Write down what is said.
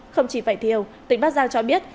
không chỉ vải thiều tỉnh bắc giang cho biết